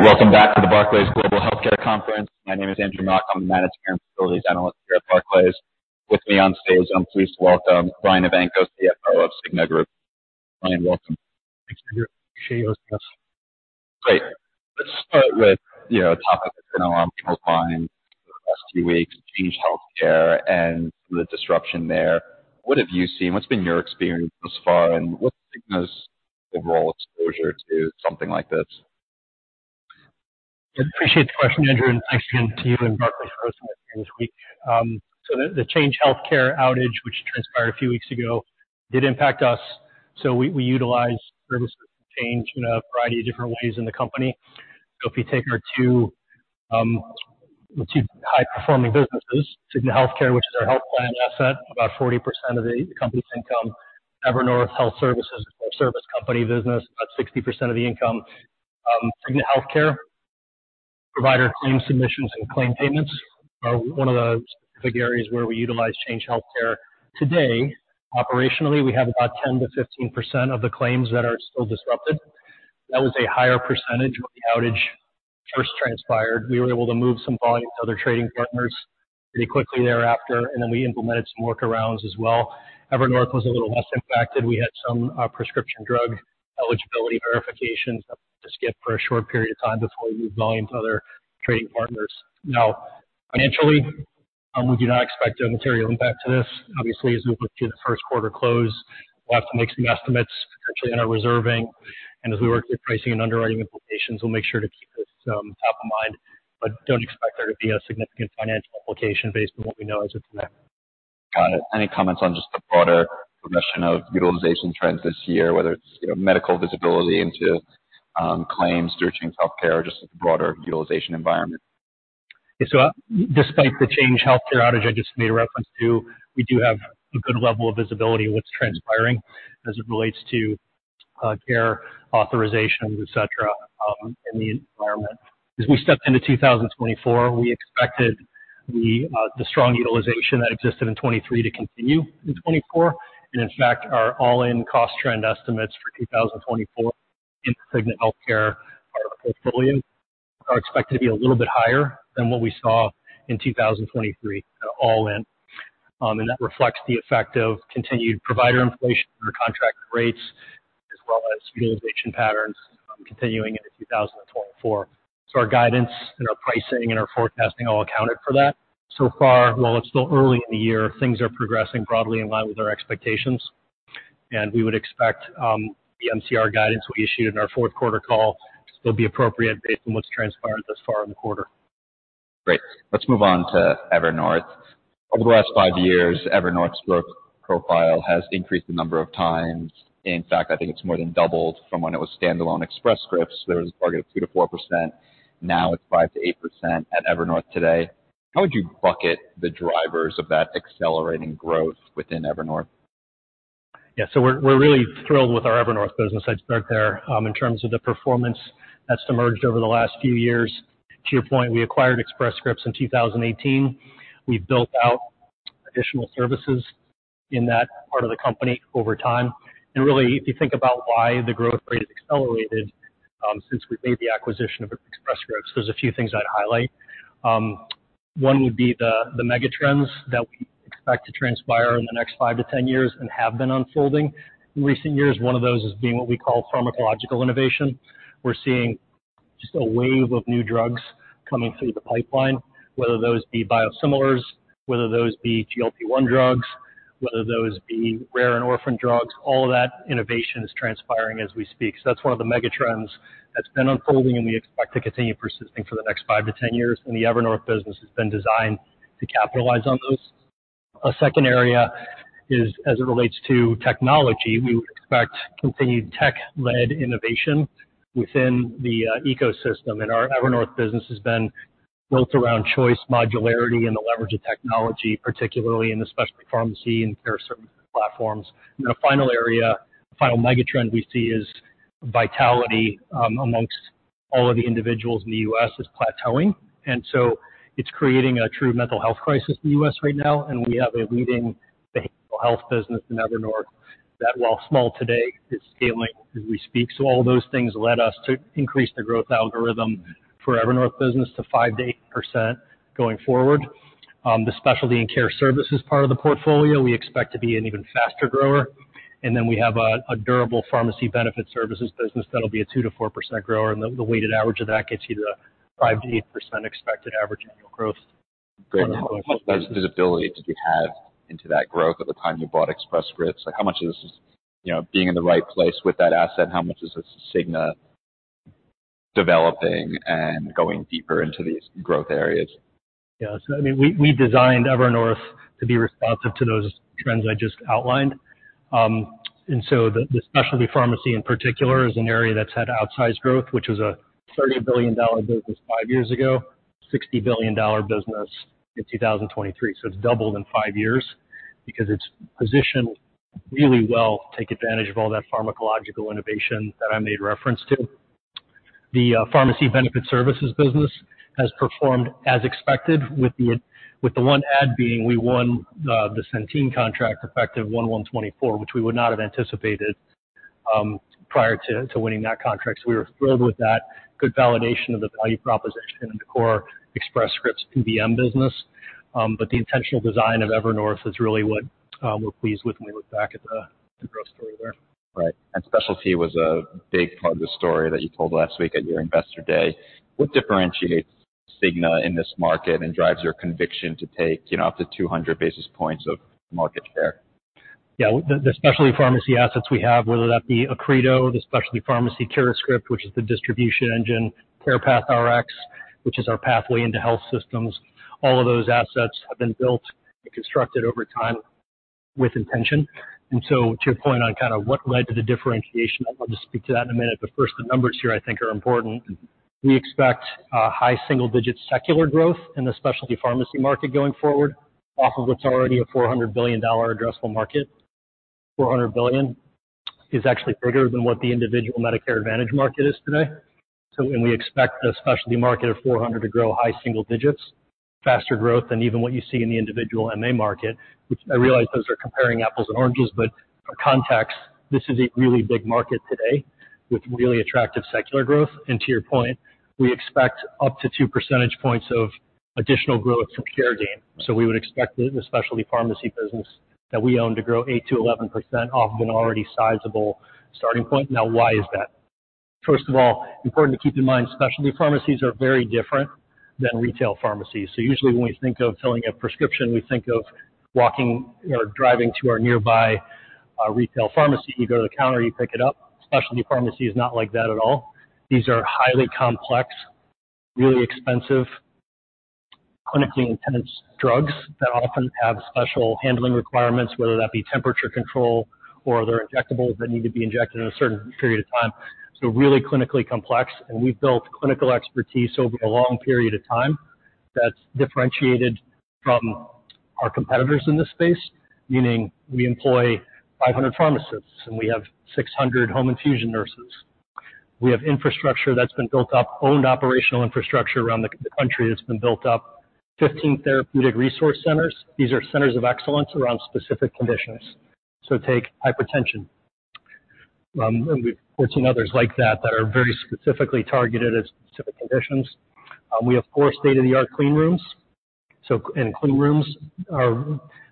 Great. Welcome back to the Barclays Global Healthcare Conference. My name is Andrew Mok. I'm the Managed Care and Facilities Analyst here at Barclays. With me on stage, and I'm pleased to welcome Brian Evanko, CFO of Cigna Group. Brian, welcome. Thanks, Andrew. Appreciate you hosting us. Great. Let's start with, you know, a topic that's been on people's minds for the last few weeks, Change Healthcare and some of the disruption there. What have you seen? What's been your experience thus far, and what's Cigna's overall exposure to something like this? I appreciate the question Andrew and thanks again to you and Barclays for hosting us here this week. So the Change Healthcare outage which transpired a few weeks ago did impact us. So we utilize services for Change Healthcare in a variety of different ways in the company. So if you take our two high-performing businesses Cigna Healthcare which is our health plan asset about 40% of the company's income Evernorth Health Services which is our service company business about 60% of the income Cigna Healthcare provider claim submissions and claim payments are one of the specific areas where we utilize Change Healthcare. Today operationally we have about 10%-15% of the claims that are still disrupted. That was a higher percentage when the outage first transpired. We were able to move some volume to other trading partners pretty quickly thereafter and then we implemented some workarounds as well. Evernorth was a little less impacted. We had some prescription drug eligibility verifications that we had to skip for a short period of time before we moved volume to other trading partners. Now financially we do not expect a material impact to this. Obviously as we work through the first quarter close we'll have to make some estimates potentially on our reserving. As we work through pricing and underwriting implications we'll make sure to keep this top of mind. Don't expect there to be a significant financial implication based on what we know as of today. Got it. Any comments on just the broader progression of utilization trends this year whether it's you know medical visibility into claims during healthcare or just the broader utilization environment? Yeah, so despite the Change Healthcare outage I just made a reference to, we do have a good level of visibility of what's transpiring as it relates to care authorizations et cetera in the environment. As we stepped into 2024, we expected the strong utilization that existed in 2023 to continue in 2024. And in fact our all-in cost trend estimates for 2024 in Cigna Healthcare are portfolio are expected to be a little bit higher than what we saw in 2023 at all-in. And that reflects the effect of continued provider inflation or contract rates as well as utilization patterns continuing into 2024. So our guidance and our pricing and our forecasting all accounted for that. So far, while it's still early in the year, things are progressing broadly in line with our expectations. We would expect the MCR guidance we issued in our fourth quarter call to still be appropriate based on what's transpired thus far in the quarter. Great. Let's move on to Evernorth. Over the last five years Evernorth's growth profile has increased the number of times. In fact I think it's more than doubled from when it was standalone Express Scripts. There was a target of 2%-4%. Now it's 5%-8% at Evernorth today. How would you bucket the drivers of that accelerating growth within Evernorth? Yeah, so we're really thrilled with our Evernorth business. I'd start there in terms of the performance that's emerged over the last few years. To your point, we acquired Express Scripts in 2018. We've built out additional services in that part of the company over time. And really, if you think about why the growth rate has accelerated since we've made the acquisition of Express Scripts, there's a few things I'd highlight. One would be the mega trends that we expect to transpire in the next five to 10 years and have been unfolding in recent years. One of those is what we call pharmacological innovation. We're seeing just a wave of new drugs coming through the pipeline, whether those be biosimilars, whether those be GLP-1 drugs, whether those be rare and orphandrugs. All of that innovation is transpiring as we speak. So that's one of the mega trends that's been unfolding and we expect to continue persisting for the next 5-10 years. The Evernorth business has been designed to capitalize on those. A second area is as it relates to technology we would expect continued tech-led innovation within the ecosystem. Our Evernorth business has been built around choice modularity and the leverage of technology particularly in especially pharmacy and care services platforms. Then a final area a final mega trend we see is vitality amongst all of the individuals in the US is plateauing. So it's creating a true mental health crisis in the US right now. We have a leading behavioral health business in Evernorth that while small today is scaling as we speak. So all those things led us to increase the growth algorithm for Evernorth business to 5%-8% going forward. The specialty and care service is part of the portfolio. We expect to be an even faster grower. And then we have a durable pharmacy benefit services business that'll be a 2%-4% grower. And the weighted average of that gets you to 5%-8% expected average annual growth. Great. And what kind of visibility did you have into that growth at the time you bought Express Scripts? Like how much of this is you know being in the right place with that asset? How much is this Cigna developing and going deeper into these growth areas? Yeah, so I mean we designed Evernorth to be responsive to those trends I just outlined. And so the specialty pharmacy in particular is an area that's had outsized growth, which was a $30 billion business five years ago. $60 billion business in 2023. So it's doubled in five years because it's positioned really well to take advantage of all that pharmacological innovation that I made reference to. The pharmacy benefit services business has performed as expected, with the one add being we won the Centene contract effective 1/1/2024, which we would not have anticipated prior to winning that contract. So we were thrilled with that. Good validation of the value proposition and the core Express Scripts PBM business. but the intentional design of Evernorth is really what we're pleased with when we look back at the growth story there. Right. And specialty was a big part of the story that you told last week at your investor day. What differentiates Cigna in this market and drives your conviction to take you know up to 200 basis points of market share? Yeah, with the specialty pharmacy assets we have, whether that be Accredo, the specialty pharmacy, CuraScript, which is the distribution engine, CarepathRx, which is our pathway into health systems. All of those assets have been built and constructed over time with intention. And so to your point on kind of what led to the differentiation, I'll just speak to that in a minute. But first, the numbers here I think are important. We expect high single-digit secular growth in the specialty pharmacy market going forward off of what's already a $400 billion addressable market. $400 billion is actually bigger than what the individual Medicare Advantage market is today. So and we expect the specialty market of $400 billion to grow high single digits, faster growth than even what you see in the individual MA market, which I realize those are comparing apples and oranges. But for context this is a really big market today with really attractive secular growth. And to your point we expect up to 2 percentage points of additional growth from Cigna. So we would expect the specialty pharmacy business that we own to grow 8%-11% off of an already sizable starting point. Now why is that? First of all important to keep in mind specialty pharmacies are very different than retail pharmacies. So usually when we think of filling a prescription we think of walking or driving to our nearby retail pharmacy. You go to the counter you pick it up. Specialty pharmacy is not like that at all. These are highly complex really expensive clinically intense drugs that often have special handling requirements whether that be temperature control or other injectables that need to be injected in a certain period of time. Really clinically complex. We've built clinical expertise over a long period of time that's differentiated from our competitors in this space. Meaning we employ 500 pharmacists and we have 600 home infusion nurses. We have infrastructure that's been built up, owned operational infrastructure around the country that's been built up 15 Therapeutic Resource Centers. These are centers of excellence around specific conditions. So take hypertension, and we've 14 others like that that are very specifically targeted as specific conditions. We have four state-of-the-art clean rooms. So, and clean rooms,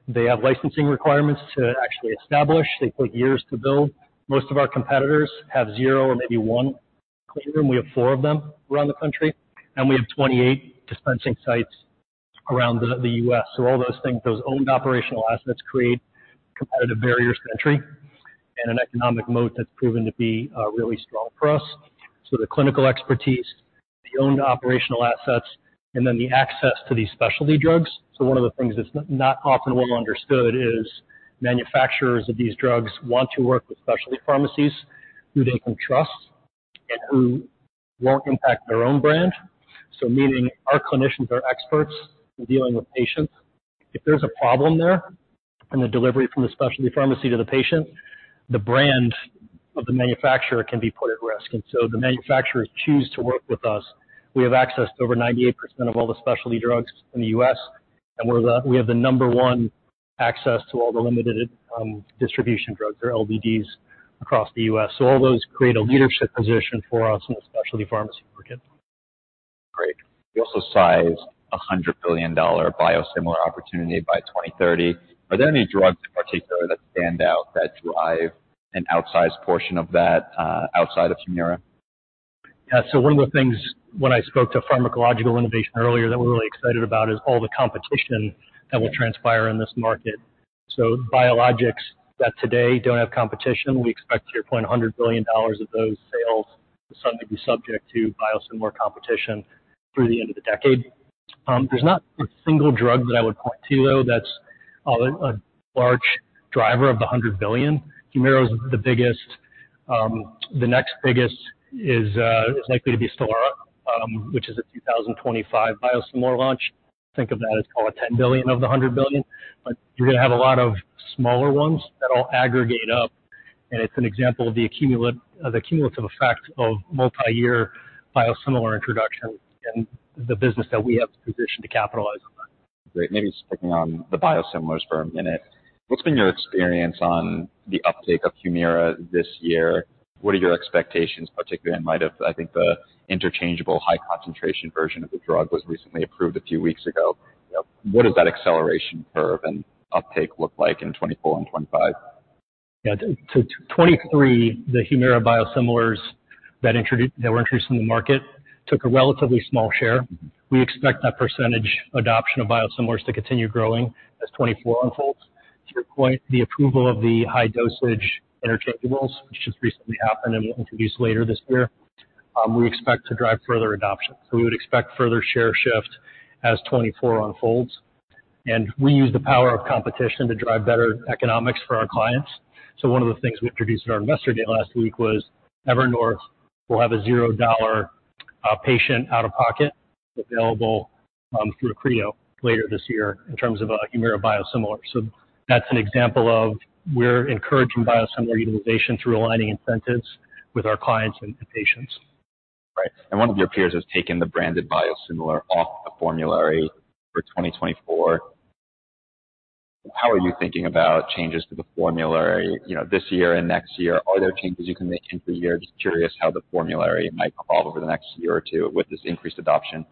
they have licensing requirements to actually establish. They take years to build. Most of our competitors have zero or maybe one clean room. We have four of them around the country. And we have 28 dispensing sites around the U.S. So all those things, those owned operational assets create competitive barriers. Country and an economic moat that's proven to be really strong for us. So the clinical expertise, the owned operational assets, and then the access to these specialty drugs. So one of the things that's not often well understood is manufacturers of these drugs want to work with specialty pharmacies who they can trust and who won't impact their own brand. So meaning our clinicians are experts in dealing with patients. If there's a problem there in the delivery from the specialty pharmacy to the patient, the brand of the manufacturer can be put at risk. And so the manufacturers choose to work with us. We have access to over 98% of all the specialty drugs in the U.S. And we're, we have the number one access to all the limited distribution drugs or LDDs across the U.S. All those create a leadership position for us in the specialty pharmacy market. Great. You also sized a $100 billion biosimilar opportunity by 2030. Are there any drugs in particular that stand out that drive an outsized portion of that outside of Humira? Yeah, so one of the things when I spoke to pharmacological innovation earlier that we're really excited about is all the competition that will transpire in this market. So biologics that today don't have competition we expect to your point $100 billion of those sales to suddenly be subject to biosimilar competition through the end of the decade. There's not a single drug that I would point to though that's a large driver of the $100 billion. Humira's the biggest; the next biggest is likely to be Stelara which is a 2025 biosimilar launch. Think of that as call it $10 billion of the $100 billion. But you're gonna have a lot of smaller ones that'll aggregate up. And it's an example of the cumulative effect of multi-year biosimilar introduction in the business that we have positioned to capitalize on that. Great. Maybe just picking on the biosimilars for a minute. What's been your experience on the uptake of Humira this year? What are your expectations particularly in light of I think the interchangeable high concentration version of the drug was recently approved a few weeks ago. You know, what does that acceleration curve and uptake look like in 2024 and 2025? Yeah, 2023 the Humira biosimilars that were introduced in the market took a relatively small share. We expect that percentage adoption of biosimilars to continue growing as 2024 unfolds. To your point, the approval of the high dosage interchangeables which just recently happened and we'll introduce later this year. We expect to drive further adoption. So we would expect further share shift as 2024 unfolds. And we use the power of competition to drive better economics for our clients. So one of the things we introduced at our investor day last week was Evernorth will have a $0 patient out of pocket available through Accredo later this year in terms of a Humira biosimilar. So that's an example of we're encouraging biosimilar utilization through aligning incentives with our clients and patients. Right. And one of your peers has taken the branded biosimilar off the formulary for 2024. How are you thinking about changes to the formulary you know this year and next year? Are there changes you can make intrayear? Just curious how the formulary might evolve over the next year or two with this increased adoption.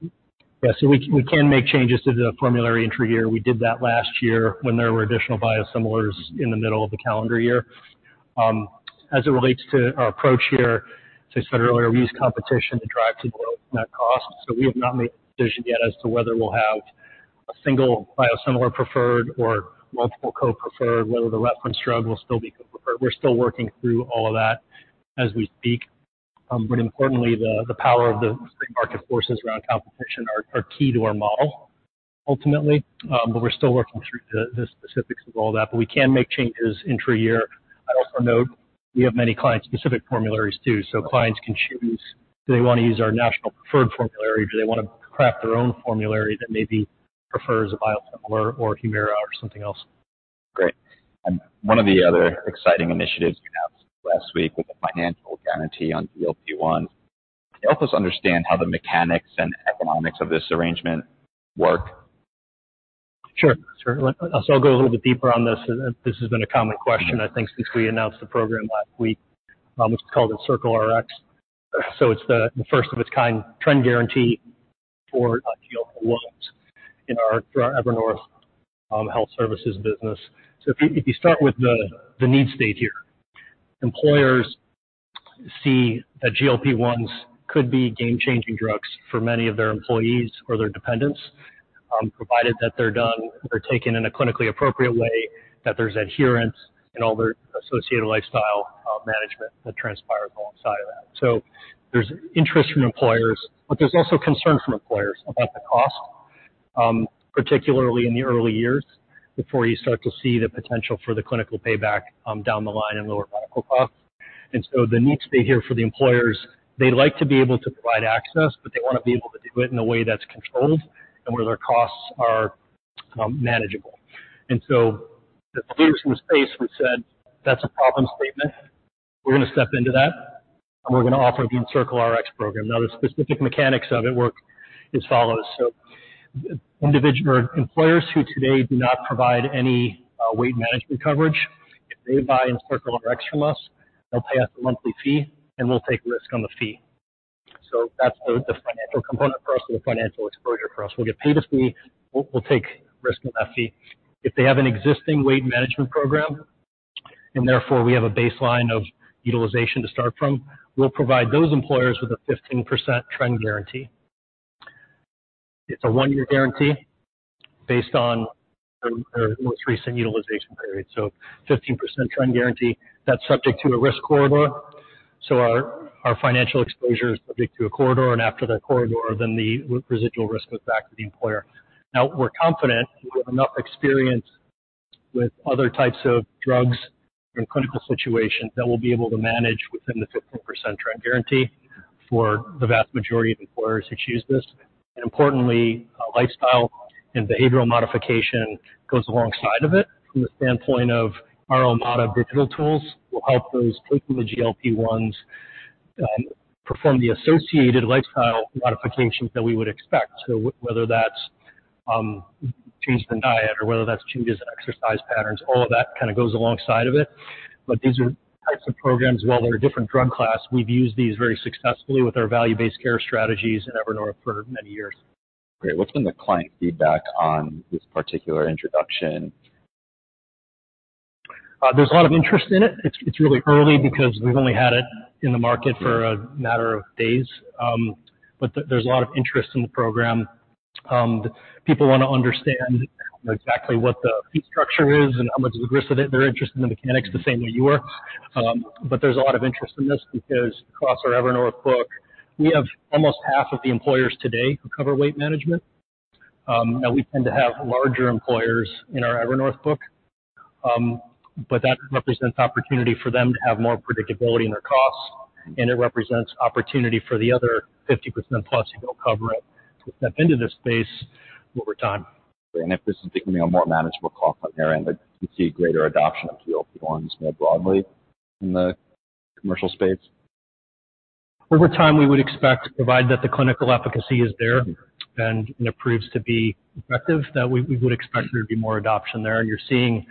Yeah, so we can make changes to the formulary intrayear. We did that last year when there were additional biosimilars in the middle of the calendar year. As it relates to our approach here, as I said earlier, we use competition to drive to the lowest net cost. So we have not made a decision yet as to whether we'll have a single biosimilar preferred or multiple co-preferred, whether the reference drug will still be co-preferred. We're still working through all of that as we speak. But importantly, the power of the free market forces around competition are key to our model ultimately. But we're still working through the specifics of all that. But we can make changes intrayear. I'd also note we have many client-specific formularies too. Clients can choose do they wanna use our national preferred formulary or do they wanna craft their own formulary that maybe prefers a biosimilar or Humira or something else. Great. And one of the other exciting initiatives you have last week with the financial guarantee on GLP-1. Can you help us understand how the mechanics and economics of this arrangement work? Sure. Sure. I'll go a little bit deeper on this. This has been a common question I think since we announced the program last week which is called EncircleRx. So it's the first of its kind trend guarantee for GLP-1s in our Evernorth Health Services business. So if you start with the need state here. Employers see that GLP-1s could be game-changing drugs for many of their employees or their dependents provided that they're taken in a clinically appropriate way that there's adherence in all their associated lifestyle management that transpires alongside of that. So there's interest from employers. But there's also concern from employers about the cost particularly in the early years before you start to see the potential for the clinical payback down the line and lower medical costs. And so the need state here for the employers they'd like to be able to provide access but they wanna be able to do it in a way that's controlled and where their costs are manageable. And so the leaders in the space who said that's a problem statement we're gonna step into that and we're gonna offer the EncircleRx program. Now the specific mechanics of it work as follows. So the individual or employers who today do not provide any weight management coverage if they buy EncircleRx from us they'll pay us a monthly fee and we'll take risk on the fee. So that's the financial component for us or the financial exposure for us. We'll get paid a fee. We'll take risk on that fee. If they have an existing weight management program and therefore we have a baseline of utilization to start from we'll provide those employers with a 15% trend guarantee. It's a one-year guarantee based on their most recent utilization period. So 15% trend guarantee that's subject to a risk corridor. So our financial exposure is subject to a corridor and after that corridor then the residual risk goes back to the employer. Now we're confident we have enough experience with other types of drugs in clinical situations that we'll be able to manage within the 15% trend guarantee for the vast majority of employers who choose this. And importantly lifestyle and behavioral modification goes alongside of it from the standpoint of our Omada digital tools will help those taking the GLP-1s perform the associated lifestyle modifications that we would expect. So whether that's changes in diet or whether that's changes in exercise patterns, all of that kinda goes alongside of it. But these are types of programs while they're a different drug class we've used these very successfully with our value-based care strategies in Evernorth for many years. Great. What's been the client feedback on this particular introduction? There's a lot of interest in it. It's really early because we've only had it in the market for a matter of days. But there's a lot of interest in the program. The people wanna understand exactly what the fee structure is and how much of the guts of it they're interested in the mechanics the same way you are. But there's a lot of interest in this because across our Evernorth book we have almost half of the employers today who cover weight management. Now we tend to have larger employers in our Evernorth book. But that represents opportunity for them to have more predictability in their costs. And it represents opportunity for the other 50%+ who don't cover it to step into this space over time. Great. If this is becoming a more manageable cost on your end, would you see greater adoption of GLP-1s more broadly in the commercial space? Over time, we would expect, provided that the clinical efficacy is there and it proves to be effective, that we would expect there to be more adoption there. You're seeing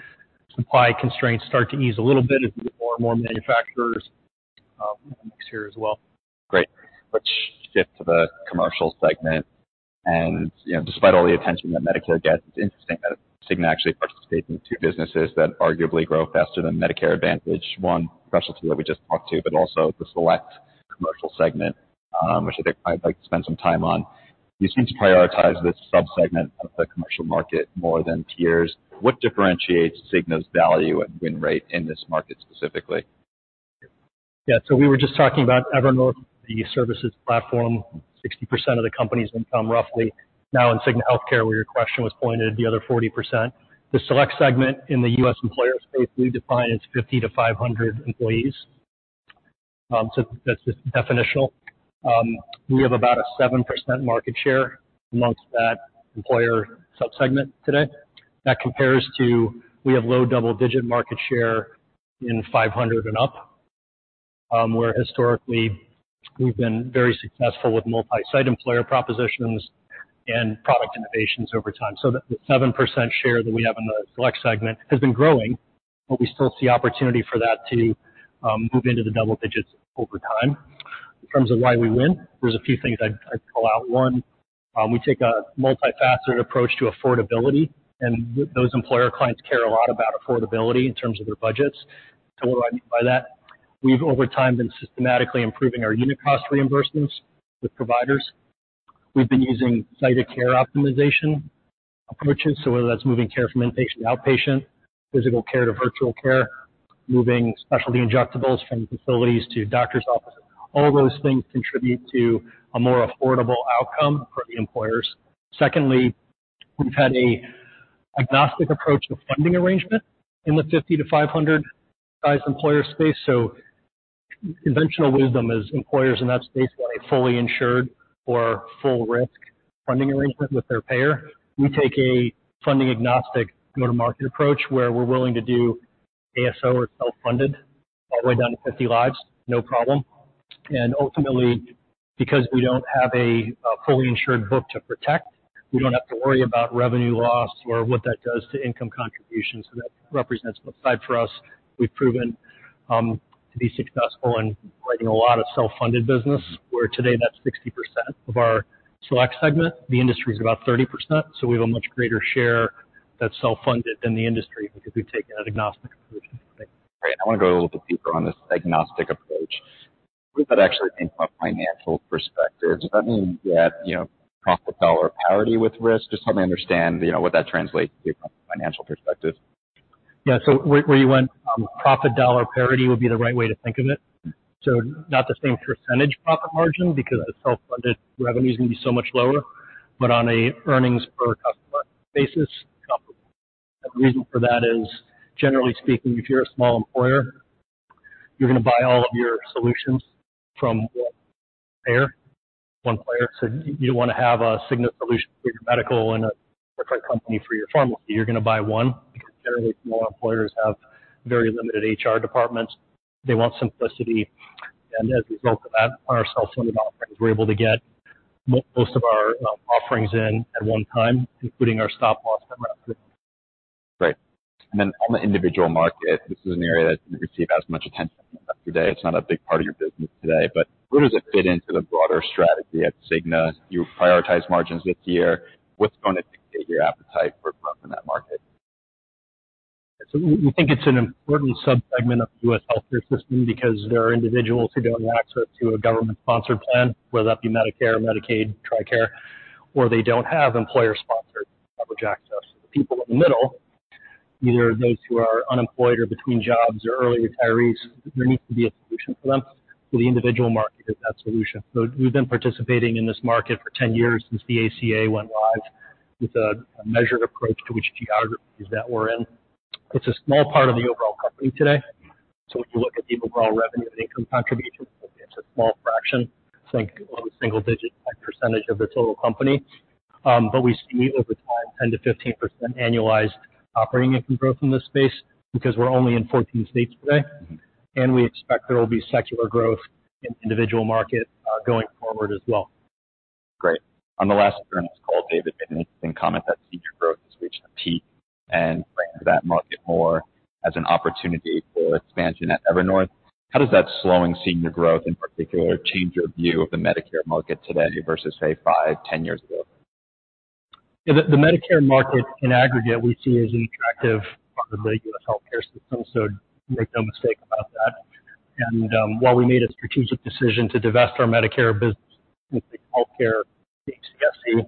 supply constraints start to ease a little bit as we get more and more manufacturers in the next year as well. Great. Let's shift to the commercial segment. You know despite all the attention that Medicare gets it's interesting that Cigna actually participates in two businesses that arguably grow faster than Medicare Advantage. One specialty that we just talked to but also the select commercial segment which I think clients like to spend some time on. You seem to prioritize this subsegment of the commercial market more than peers. What differentiates Cigna's value and win rate in this market specifically? Yeah, so we were just talking about Evernorth, the services platform, 60% of the company's income roughly. Now in Cigna Healthcare, where your question was pointed at, the other 40%. The Select segment in the US employer space we define as 50-500 employees, so that's just definitional. We have about a 7% market share amongst that employer subsegment today. That compares to, we have low double-digit market share in 500 and up, where historically we've been very successful with multi-site employer propositions and product innovations over time. So the seven percent share that we have in the Select segment has been growing, but we still see opportunity for that to move into the double digits over time. In terms of why we win, there's a few things I'd I'd pull out. One, we take a multifaceted approach to affordability. Those employer clients care a lot about affordability in terms of their budgets. What do I mean by that? We've over time been systematically improving our unit cost reimbursements with providers. We've been using site of care optimization approaches. So whether that's moving care from inpatient to outpatient, physical care to virtual care, moving specialty injectables from facilities to doctor's offices, all those things contribute to a more affordable outcome for the employers. Secondly, we've had an agnostic approach to funding arrangement in the 50-500 size employer space. Conventional wisdom is employers in that space want a fully insured or full-risk funding arrangement with their payer. We take a funding-agnostic go-to-market approach where we're willing to do ASO or self-funded all the way down to 50 lives, no problem. Ultimately because we don't have a fully insured book to protect we don't have to worry about revenue loss or what that does to income contributions. That represents both sides for us. We've proven to be successful in writing a lot of self-funded business where today that's 60% of our Select segment. The industry's about 30%. We have a much greater share that's self-funded than the industry because we've taken that agnostic approach to funding. Great. I wanna go a little bit deeper on this agnostic approach. What does that actually mean from a financial perspective? Does that mean that you know profit-dollar parity with risk? Just help me understand you know what that translates to from a financial perspective. Yeah, so where you went profit-dollar parity would be the right way to think of it. So not the same percentage profit margin because the self-funded revenue's gonna be so much lower. But on a earnings per customer basis comparable. And the reason for that is generally speaking if you're a small employer you're gonna buy all of your solutions from one payer one player. So you don't wanna have a Cigna solution for your medical and a different company for your pharmacy. You're gonna buy one because generally small employers have very limited HR departments. They want simplicity. And as a result of that on our self-funded offerings we're able to get most of our offerings in at one time including our stop-loss and risk. Great. And then on the individual market this is an area that didn't receive as much attention yesterday. It's not a big part of your business today. But where does it fit into the broader strategy at Cigna? You prioritize margins this year. What's going to dictate your appetite for growth in that market? Yeah, so we think it's an important subsegment of the U.S. healthcare system because there are individuals who don't have access to a government-sponsored plan whether that be Medicare, Medicaid, TRICARE, or they don't have employer-sponsored coverage access. So the people in the middle, either those who are unemployed or between jobs or early retirees, there needs to be a solution for them. So the individual market is that solution. So we've been participating in this market for 10 years since the ACA went live with a measured approach to which geographies that we're in. It's a small part of the overall company today. So when you look at the overall revenue and income contributions, it's a small fraction. I think almost single-digit type percentage of the total company. We see over time 10%-15% annualized operating income growth in this space because we're only in 14 states today. We expect there will be secular growth in the individual market going forward as well. Great. On the last interview call David made an interesting comment that senior growth has reached a peak and framed that market more as an opportunity for expansion at Evernorth. How does that slowing senior growth in particular change your view of the Medicare market today versus say 5-10 years ago? Yeah, the Medicare market in aggregate we see as an attractive part of the U.S. healthcare system, so make no mistake about that. While we made a strategic decision to divest our Medicare business and take healthcare to HCSC,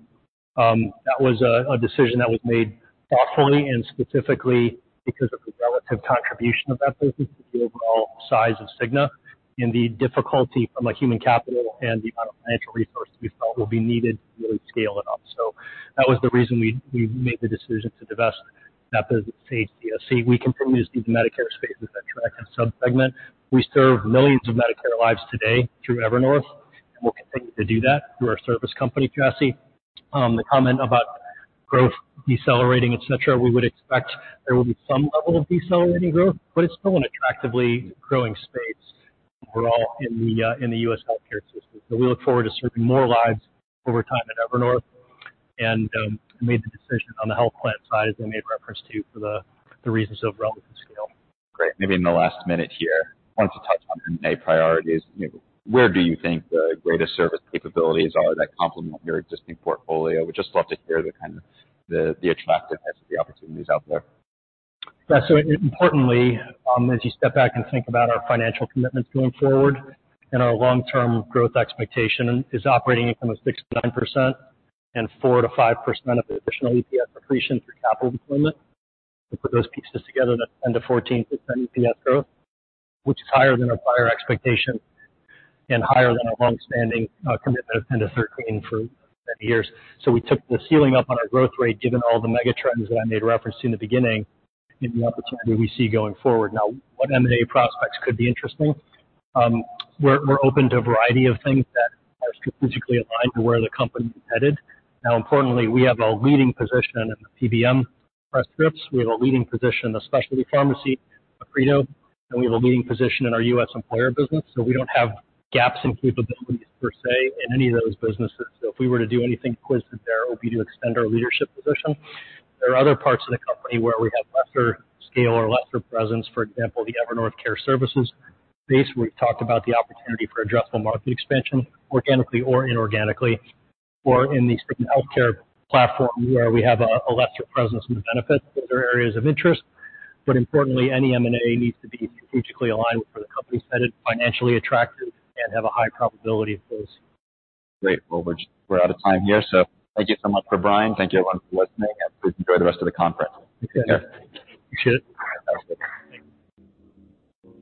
that was a decision that was made thoughtfully and specifically because of the relative contribution of that business to the overall size of Cigna and the difficulty from a human capital and the amount of financial resources we felt will be needed to really scale it up. So that was the reason we made the decision to divest that business to HCSC. We continue to see the Medicare space as an attractive subsegment. We serve millions of Medicare lives today through Evernorth and we'll continue to do that through our service company HCSC. The comment about growth decelerating et cetera, we would expect there will be some level of decelerating growth, but it's still an attractively growing space overall in the U.S. healthcare system. So we look forward to serving more lives over time at Evernorth. And I made the decision on the health plan side as I made reference to for the reasons of relative scale. Great. Maybe in the last minute here I wanted to touch on M&A priorities. You know where do you think the greatest service capabilities are that complement your existing portfolio? We'd just love to hear the kind of the attractiveness of the opportunities out there. Yeah so importantly as you step back and think about our financial commitments going forward and our long-term growth expectation and is operating income of 6%-9% and 4%-5% of additional EPS appreciation through capital deployment. So put those pieces together that's 10%-14% EPS growth which is higher than our prior expectation and higher than our longstanding commitment of 10%-13% for many years. So we took the ceiling up on our growth rate given all the megatrends that I made reference to in the beginning and the opportunity we see going forward. Now what M&A prospects could be interesting? We're open to a variety of things that are strategically aligned to where the company is headed. Now importantly we have a leading position in the PBM, Express Scripts. We have a leading position in the specialty pharmacy, Accredo. We have a leading position in our U.S. employer business. So we don't have gaps in capabilities per se in any of those businesses. So if we were to do anything acquisitive there it would be to extend our leadership position. There are other parts of the company where we have lesser scale or lesser presence for example the Evernorth Care Services space where we've talked about the opportunity for addressable market expansion organically or inorganically. Or in the Cigna Healthcare platform where we have a lesser presence in the benefits. Those are areas of interest. But importantly any M&A needs to be strategically aligned, accretive, financially attractive and have a high probability of growth. Great. Well, we're out of time here, so thank you so much for Brian. Thank you everyone for listening. Please enjoy the rest of the conference. You too. Take care. Appreciate it. Fantastic. Thanks.